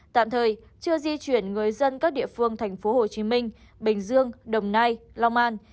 tạm thời chưa di chuyển người dân các địa phương tp hcm bình dương đồng nai long an